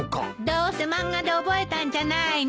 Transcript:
どうせ漫画で覚えたんじゃないの。